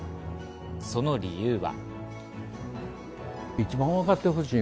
その理由は。